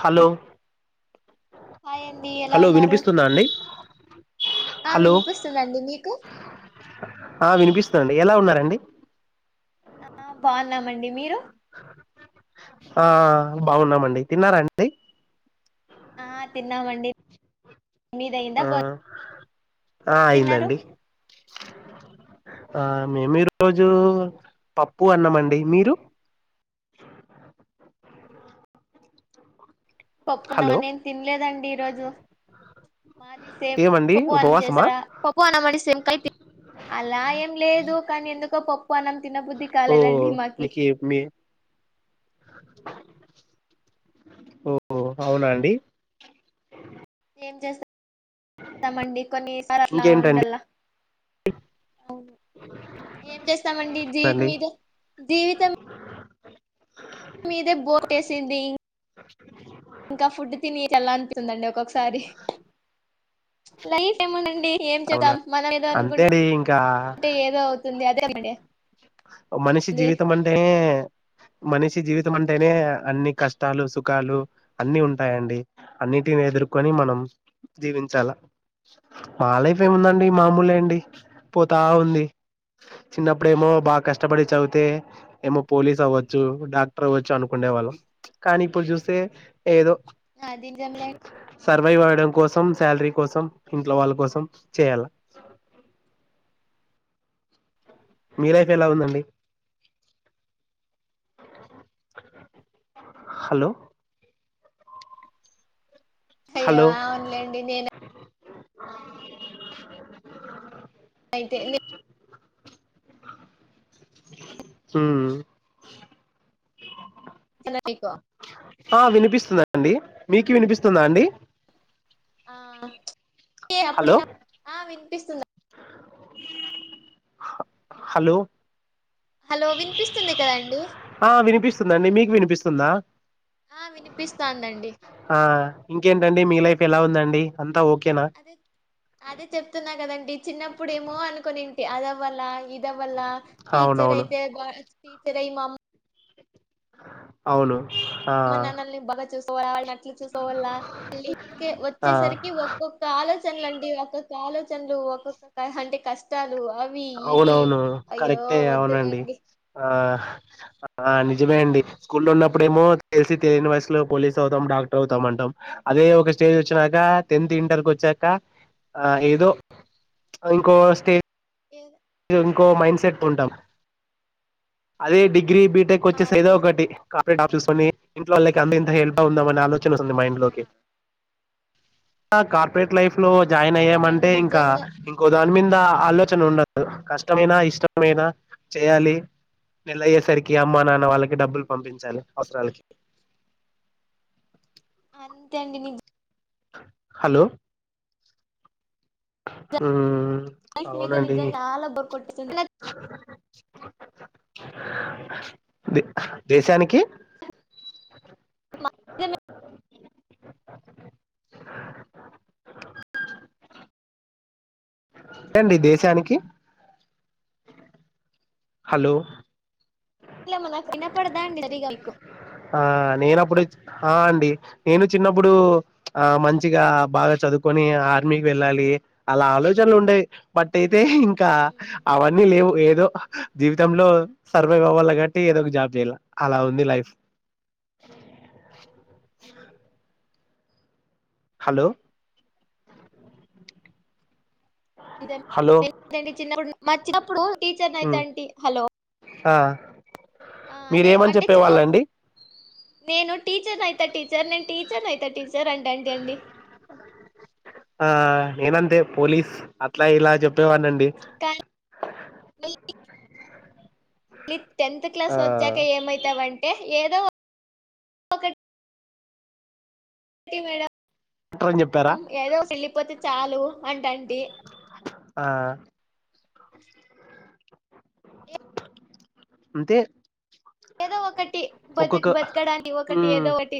Hello hi అండి ఎలా hello ఉన్నారు వినిపిస్తుందా అండి అ ఆ వినిపిస్తుందండి మీకు ండి ఎలా ఉన్నారండి ఆ బాగున్నామండి మీరు ఆ బాగున్నామండి తిన్నారాండి ఆ తిన్నాామండి మీదయ్యేందా ఆ బో ఆ ఏం తిన్నారు అయిందండి ఆ మేము ఈ రోజు పప్పు అన్నామండి మీరు పప్పున హలో నిన్ తినలేదండి ఈరోోజు మాదిసేం ఏమండి పప్పు అనం ఉపవాసమా చేసారా పప్పు అన్నామండి సేమ్ కని అలా ఏం లేదు కానీ ఎందు క పప్ పన్నం తినబుద్ధి ఓ కాలేదండి మాకి మీకి మీ ఓ అవునా అండి ఏం చేస్త స్తామండి కొన్నిసార్లు అట్లా ఇంకేంటండి ఉండలా ఎం చేస్తామండి జీవితం అండి మీద జీవితం మీదే బోట్ వేసింది ఇంకా ఫుడ్ తిని ఏలాంటి తుందండి ఒకొక్కసారి లైఫ్ ఏముందండి ఏం అవునా చేద్దాం మనం ఏదో అంతే అండి ఇంకా అనుకుంటే ఏదో అవుతుంది అదే [unintelligible] మనిషి జీవితం అంటే మనిషి జీవితం అంటేనే అన్ని కష్టాలు సుఖాలు అన్ని ఉంటాయండి అన్నిటిని ఎదుర్కొని మనం జీవించాల మా లైఫ్ ఏముందండి మామూలే అండి పోతా ఉంది చిన్నప్పుడేమో బాగా కష్ట కష్టపడి చదితే ఏమో పోలీస్ అవ్వచ్చు డాక్టర్ అవ్వచ్చు అనుకునే వాళ్ళం కానీ ఇప్పుడు చూస్తే ఏదో అది [unintelligible] సర్వైవ్ అవడం కోసం శాలరీ కోసం ఇంట్లో వాళ్ళ కోసం చేయాల మీ లైఫ్ ఎలా ఉందండి హలో అయ్యో అవునులేండి నేను అ అయితే హు మీకు ఆ వినిపిస్తుందండి మీకు వినిపిస్తుందా అండి ఆ అప్పుడ హలో వి పిస్తుందా? హ హలో హలో వినిపిస్తుంది కదండి ఆ వినిపిస్తుందండి మీకు వినిపిస్తుందా ఆ వినిపిస్తాందండి ఆ ఇంకేంటండి మీ లైఫ్ ఎలా ఉందండి అంతా ఓ అదే అదే చెప్తున్నా కదండి చిన్నప్పుడేమో అనుకోని అదవల్ ఇది వాళ్ళ టీచర్ అవునవును అయితే బా తై మమ్ అవును ఆ అమ్మ నాన్నల్ని బాగ చూస్ [unintelligible] చూసు ఆ వచ్చేసరికి ఒక్కొక్క ఆలోచనల అండి ఒక్కొక్క ఆలోచ చన్లు ఒక్కొక్క అంటే కష్టా అవునవును. కరెక్టే అవునండి. వద్దులేండి ఆ. ఆ నిజమే ఎన్- అండి. స్కూల్లో ఉన్నప్పుడేమో తెలిసి తెలియని వయసులో పోలీస్ అవుతాం, డాక్టర్ అవుతాం అంటాం. అదే ఒక స్టేజ్ వచ్చినాక, టెన్త్, ఇంటర్కి వచ్చాక ఏదో ఇంకో స్టేజ్ ఏ ఇంకో మైండ్ సెట్ ఉంటాం అదే డి గ్రీ బీటెక్ వచ్చేసేదో అది ఒకటి [unintelligible] చూసుకొని ఇంట్లో వాళ్లకు అమ్మకింత హెల్ప్గా ఆలోచన వస్తుంది ఆ మైండ్లోకి పెట్ లైఫ్ లో అది జాయిన్ నిజమండి అయ్యామంటే ఇంకా నిజంగా ఇంకోదాని దీని మీంద ఆలోచన ఉండదు కష్టమైనా ఇష్టమైనా చేయాలి నెలయ్యేసరికి అమ్మానాన్న వాళ్ళకి డబ్బులు పంపించాలి అవసరాలకి అంతే అండి ని హలో ఉ లైఫ్ మీద నిజంగా చాలా బోర్ కొట్టేసింది దే దేశానికి దిన్ ఏండి దేశానికి హలో ఇల్లో ఏమన్న వినపడదా ఏంటండీ సరిగా నీకు ఆ నేనప్పుడు హా అండి నేను చిన్నప్పుడు ఆ మంచిగా బాగా చదువుకొని ఆర్మీకి వెళ్ళాలి అలా ఆలోచనలు ఉండేవి బట్ అయితే ఇంకా అవన్నీ లేవు ఏదో జీవితంలో సర్వైవ్ అవ్వాలి కాబట్టి ఏదో ఒక జాబ్ చేయాలా అలా ఉంది లైఫ్ హలో హలో నేను చిన్నప్పుడు మా చిన్నప్పుడు టీచర్ ని అయిత మ్మ్ ఆంటీ హలో ఆ ఆ మీరు అదే ఏమని అంటే చిన్నప్పుడు చెప్పేవాళ్లండి నేను టీచర్ ని అయిత టీచర్ నేను టీచర్ ని అయిత [unintelligible] అండి ఆ నేనంతే పోలీస్ అట్లా ఇలా చెప్పేవాడిండి కల్ టెన్త్ క్లాస్ ఆ వచ్చాక ఏమైతావంటే ఏదో ఒకటి మేడం డాక్టర్ అని చెప్పారా ఏదో సిల్లీ పోత చాలు అంటంటి ఆ అంతే ఏదో ఒకటి బతుక్ ఒక్కొక్క బతకడానికి ఒకటి మ్మ్ ఏదో ఒకటి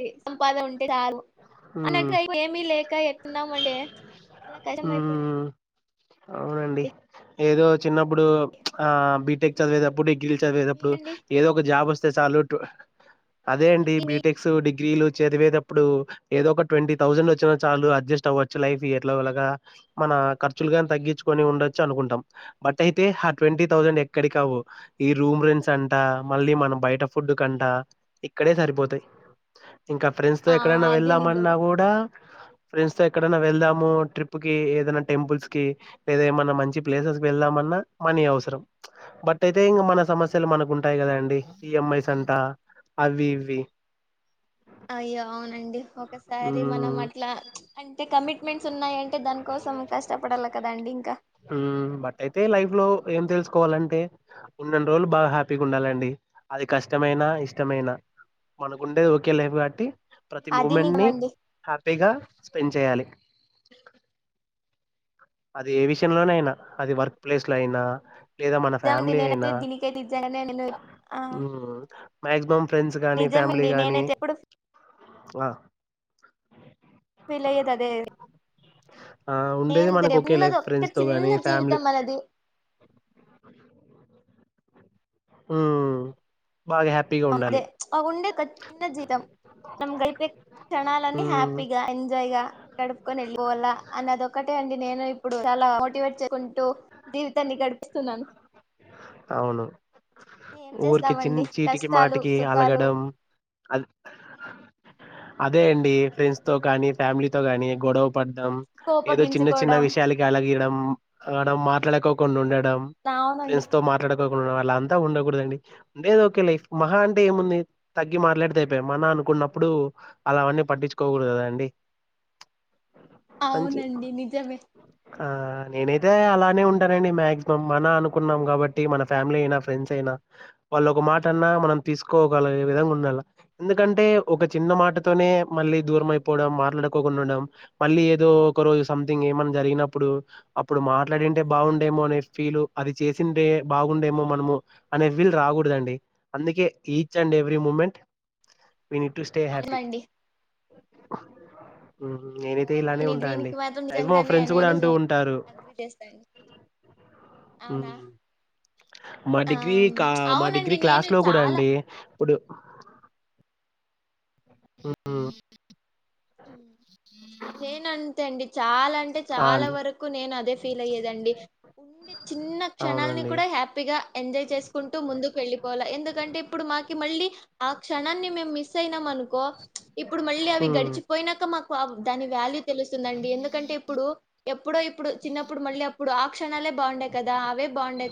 మ్మ్ [unintelligible] [unintelligible] ఏమీ లేక ఎట్లున్నాం అంటే అలా కష్టం మ్మ్ అవునండి అయిపోయినది ఏదో చిన్నప్పుడు ఆ బీటెక్ చదివేటప్పటికీ డిగ్రీలు చదివేటప్పుడు మీరండి ఏదో ఒక జాబ్ వస్ చేసాలు టు అదే అండి మీకి మీ బీటెక్సు డి డిగ్రీలు చదివేది ఎప్పుడు ఏదో ఒక ట్వంటీ థౌసండ్ వచ్చినా చాలు అడ్జస్ట్ అవ్వచ్చు లైఫ్ ఎట్లాలాగా మన ఖర్చులు గాని తగ్గించుకొని ఉండొచ్చు అనుకుంటాం బట్ అయితే ఆ ట్వంటీ థౌసండ్ ఎక్కడి కావు ఈ రూమ్ రెంట్స్ అంటా మళ్ళీ మన బయట ఫుడ్ కంటా ఇక్కడే సరిపోతాయి ఇంకా ఫ్రెండ్స్ ఆ ఎక్కడైనా అది వెళ్దాం అన్నా నిజమే కూడా ఫ్రెండ్స్ తో ఎక్కడన్నా వెళ్దాము ట్రిప్ కి ఏదైనా టెంపుల్స్ కి లేదా ఏమన్నా మంచి ప్లేసెస్ కి వెళ్దామన్నా మనీ అవసరం బట్ అయితే ఇంకా మన సమస్యలు మనకు ఉంటాయి కదా అండి ఈఎంఐస్ అంతా అవి ఇవి అయ్యో అవునండి ఓ ఒకసారి మనం మ్మ్ అట్లా అంటే కమిట్మెంట్స్ ఉన్నాయంటే దాని కోసం కష్టపడాలి కదండి ఇంకా ఉహ్ బట్ అయితే లైఫ్ లో ఏం తెలుసుకో అంటే ఉన్న అని రోజులు బాగా హ్యాపీగా ఉండాలండి అది కష్టమైన ఇష్టమైన మనకుండేది ఒకే లైఫ్ కాట్టి ప్రతి అది మూమెంట్ ని నిజమండి హ్యాపీగా [unintelligible] చేయాలి అది ఏ విషయంలో అయినా అది వర్క్ ప్లేస్ లో అయినా లేదా మన నిజమండి ఫ్యామిలీ అయినా నేనైతే దీనికైతే నిజంగానే నేను ఆ మేక్సిమం ఫ్రెండ్స్ కానీ ఫ్యామిలీ నిజమండి గానీ నేనైతే ఎప్పుడు ఆ ఫీలయ్యే ది అదే ఆ ఉండేది మనకు నేను ఒకే ఉన్నది లైఫ్ ఒక్క ఫ్రెండ్స్ తో చిన్న గానీ జీవితం ఫ్యామిలీ మనది హ్మ్ బాగా హ్యాపీగా ఉండాలి క చిన్న జీతం నమ్ గైపే క్షణాలన్నీ హ్మ్ హ్యాపీగా ఎంజాయ్ గా గడుపుకొని వెళ్ళిపోవాలా అన్నదొక్కటే అండి నేను ఇప్పుడు చాలా మోటివేట్ చేసుకుంటూ జీవితాన్ని గడిపేస్తున్నాను అవును వురికి చి చేస్తామండి చీటి కష్టాలు మాటికి సుఖాలు అలగడం అది అదే అండి ఫ్రెండ్స్ తో కానీ ఫ్యామిలీతో కాని గొడవ ప ఏదో చిన్న చిన్న కోపగించుకోవడం విషయాలకి అలాగయడం మాట్లాడుకోకుండా ఉండడాడు టావునండి పడుకోకు వాళ్ళ అంతా ఉండకూడదండి ఉండేది ఒకకే లైఫ్ మహా అంటే ఏముంది తగ్గి మాట్లాడితే అయిపోయాయి మన అనుకున్నప్పుడు అలావన్నీ పట్టించుకోకూడదు కదాండి అవునండి నిజమే ఆ నేనైతే అలానే ఉంటానండి మాక్సిమం మన అనుకున్నాము కాబట్టి మన ఫ్యామిలీ అయినా ఫ్రెండ్స్ అయినా వాళ్ళు ఒక మాట అన్నా మనం తీసుకోగలిగే విధంగా ఉండాలి ఎందుకంటే ఒక చిన్న మాటతోనే మళ్ళీ దూరం అయిపోవడం మాట్లాడుకోకుండడం మళ్ళీ ఏదో ఒక రోజు సంథింగ్ ఏమ జరిగినప్పుడు అప్పుడు మాట్లాడింటే బాగుండేమో అనే ఫీల్ అది చే అంటే బాగుండేమో మనమో అనే వీలుు రాకూడదండి అందుకే ఈచ్ అండ్ ఎవ్రీ మూమెంట్ ఇను టు స్టే హ్యాపీ అవునండి ఓ నేనైతే ఇలానే నేను ఉంటా దీనికి మాత్రం రైమ నిజంగానే ఫ్రెండ్స్ కూడా నేను అంటూ ఉంటారు అగ్రి చేస్తాండి ఉం అవునా మా ఆ! డిగ్రీ మా అవునండి. డిగ్రీ నేను క్లాస్ లో కూడా చాలా అండి ఇప్పుడు ఉమ్, నేను అంతే అండి చాల అంటే ఆ చాలా అండి వరకు నేను అదే ఫీల్ అయ్యేదండి ఉండే చిన్న క్షణాలని అవునండి కూడా హ్యాపీగా ఎంజాయ్ చేసుకుంటూ ముందుకు వెళ్ళిపోవాలి ఎందుకంటే ఇప్పుడు మాకి మళ్ళీ ఆ క్షణాన్ని మేము మిస్ అయినాం అనుకో ఇప్పుడు మళ్ళీ అవి ఉమ్. గడిచి మాకు దాని వ్యాల్యూ తెలుస్తుందండి ఎందుకంటే ఇప్పుడు ఇప్పుడో ఇప్పుడు చిన్నప్పుడు మళ్ళీ అప్పుడు ఆ క్ణాలే బాగుండయి కదా అ బాండ్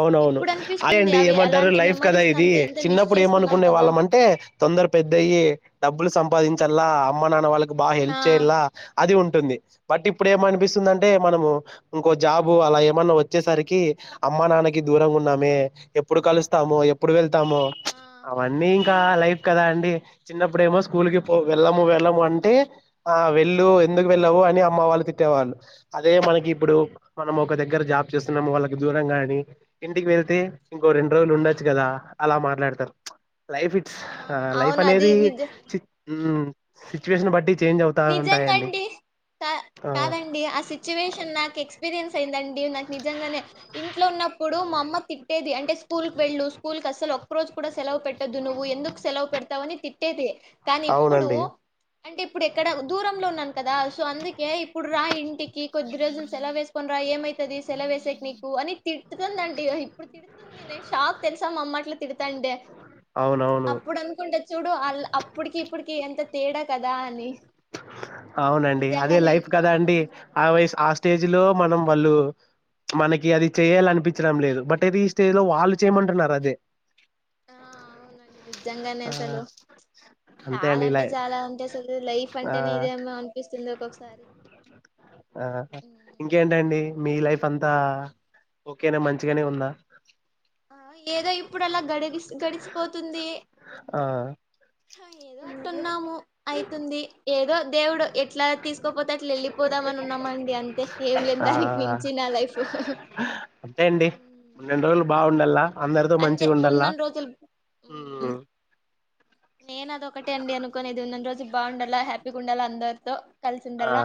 అవునవును అయి అండి ఏమంటారు అలాంటి లైఫ్ కదా ఇది మెమోరీస్‌నంతా ఎంత మిస్ చిన్నప్పుడు చేసుకున్నాం ఏమనుకునే కదా! వాళ్ళం అంటే తొందర పెద్దయ్యి డబ్బులు సంప పాదించల అమ్మ నాన్న వాళ్ళకి బా హెల్ప్ ఆ! చేయలా అది ఉం టుంది బట్ ఇప్పుడు ఏమనిపిస్తుంది అంటే మనము ఇంకో జాబు అలా ఏమన్నా వచ్చేసరికి అమ్మ నాన్నకి దూరం ఉన్నామే ఎప్పుడు కలుస్తాము ఎప్పుడు వెళ్ టమో ఆ! అవన్నీ ఇ లైఫ్ కదా అండి చిన్నప్పుడు ఏమో స్కూల్ కి పో వెళ్ళము వెళ్ళము అంటే ఆ వెళ్ళు ఎందుకు వెళ్ళవు అని మ వాళ్లు తిట్టేవాళ్ళు అదే మనకి ఇప్పుడు మనం ఒక దగ్గర జాబ్ చేస్తున్నాము వాళ్ళకి దూరంగాని ఇంటికి వెళ్తే ఇంకో రెండు రోజులు ఉండొచ్చు కదా అలా మాట్లాడతారు లైఫ్ ఇట్స్ ఆ లైఫ్ అవును అది అనేది నిజ చి ఉం సిచ్యువేషన్ బట్టి చేంజ్ అవుతా ఉంటాయండి నిజంగండి క ఆ కాదండి ఆ సిచ్యువేషన్ నాకు ఎక్స్పీరియన్స్ అయిందండి నాకు నిజంగానే ఇంట్లో ఉన్నప్పుడు మా అమ్మ తిట్టేది అంటే స్కూల్ కు వెళ్ళు స్కూల్ కు అసలు ఒక్క రోజు కూడా సెలవు పెట్టదు నువ్వు ఎందుకు సెలవు పెడతావని తిట్టేది కానీ ఇప్పుడు అవునండి అంటే ఇప్పుడు ఎక్కడ దూరంలో ఉన్నాను కదా సో అందుకే ఇప్పుడు రా ఇంటికి కొద్దిరోజులు సెలవేసుకొని రా ఏమై సెలవేసేక్ నీకు అని తిడుతుందండి ఇప్పుడు తిడుతుంది నను షాక్ తెలుసా అమ్మ అట్లా తిడతాంటే అవునవును అప్పుడు అనుకుంటే చూడు అళ్ల అప్పటికి ఇప్పటికి ఎంత తేడా కదా అని అవునండి అదే నిజంగానే లైఫ్ ఆ కదా అండి ఆ వయస్ ఆస్ స్టేజ్ లో మనం వాళ్ళు మనకి అది చేయ్యాల అనిపించడం లేదు బట్ అతే ఈ స్టేజ్ లో వాళ్ళు చేయమంటున్నారు అదే ఆ అవునండి నిజంగానే ఆ అసలు అంతే చాలా అండి ఇలా అంటే చాలా ఉంటే అసలు లైఫ్ అం ఆ ఆ ఉమ్, ఇంకేంటండి మీ ఏమో లైఫ్ అంత తా ఓకేనే మంచిగానే ఉందా ఏదో ఇప్పుడు అలా గడి గిస్ గడిచిపోతుంది ఆ ఏదో అట్ల ఉన్నాము అయితుంది ఏదో దేవుడు ఎట్లా తీసుకోపోతే అట్లా వెళ్ళిపోదామని ఉన్నామండి అంతే ఏం లేదు దానికి ఆ మించి నా లైఫ్ అంతే అండి రెండు రోజులు బాగుండల్లా అంతే అందరితో అంతే మంచిగా ఉండల్లా ఉన్నన్ని రోజులు ఉం ఉమ్, నేను అద ఒకటే అండి అనుకోనేది ఉన్న రోజు బాగుండాలా హ్యాపీగా ఉండాలా అందరితో కలిసి ఆ ఉండాల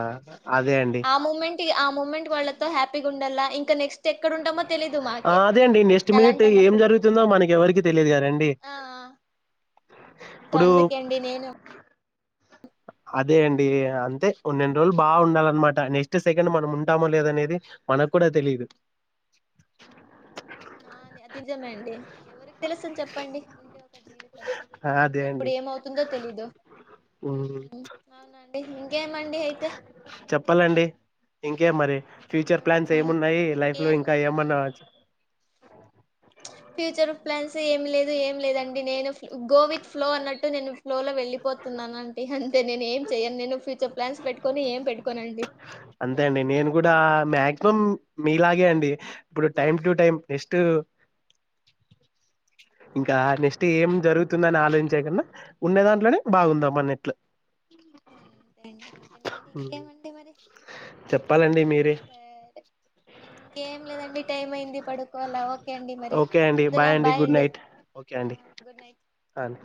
అదే అండి ఆ మూమెంట్ ఆ మూమెంట్ వాళ్ళతో హ్యాపీగా ఉం అలా ఇంకా నెక్స్ట్ ఎక్కడ ఉంటామో తెలీదు ఆ మాకే అదే అండి నెస్ట్ ఇంక మినిట్ అలాంటి ఏం అన్నప్పుడు జరుగుతుందో మనకి ఎవరికి తెలియదు కదండి ఆ సో ఇప్పుడు అందుకే అండి నేను అదే అండి అంతే ఉన్నన్ని రోజులు బా ఉండాలన్నమాట నెక్స్ట్ సెకండ్ మనం ఉంటామో లేదనేది మనకు కూడా తెలిదు నా అది నిజమే అండి ఎవరికి తెలుసని చెప్పండి ఉండేది ఒక జీవితము అదే ఎప్పుడు అండి ఏమవుతుందో తెలీదు ఉమ్, హ్మ్ హ్మ్ అవునండి ఇంకేమండి అయితే ఇంకేం మరి ఫ్యూచర్ ప్లాన్స్ ఆ ఏమున్నాయి లైఫ్ లో ఇంకేం ఇంకా ఏమన్నాచ ఫ్యూచర్ ప్లాన్స్ ఏం లేదు ఏం లేదండి నేను గో విత్ ఫ్లో అన్నట్టు నేను ఫ్లో లో వెళ్ళలిపోతున్నాన అంటడి అంటే నేను ఏం చెయను నేను ఫ్యూచర్ ప్లాన్స్ పెట్టుకొని ఏం పెట్టుకోనండి అంతే అండి నేను కూడా మాక్సిమం మీలాగే అండి ఇప్పుడు టైమ్ టు టైమ్ నెక్స్ట్ ఇంకా నెక్స్ట్ ఏం జరుగుతుందని ఆలోచించే కన్నా ఉన్న దాంట్లోనే బాగుందాం అన్నట్లు అంతేండి అంతేలేండి హ్మ్ ఇంకేమండి మరి చెప్పాలండి మీరే సరే ఇంకేం లేదండి టైం అయింది పడుకోవాల ఓకే అండి మరి ఓకే అండి ఉందునా బాయ్ గుడ్ అండి నైట్ ఓకే అండి గుడ్ నైట్ అ అండి